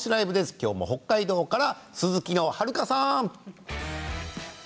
今日も北海道から鈴木の遥さん！